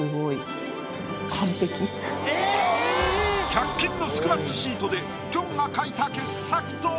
１００均のスクラッチシートできょんが描いた傑作とは？